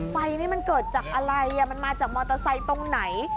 ไฟนี่มันเกิดจากอะไรมันมาจากมอเตอร์ไซค์ตรงไหน